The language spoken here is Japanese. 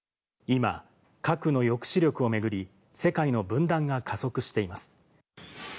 今、核の抑止力を巡り、世界の分断が加速しています。